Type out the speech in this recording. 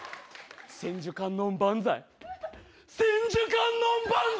千手観音万歳。